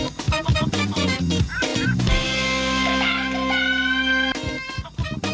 มมอุ๊ยอุ๊ย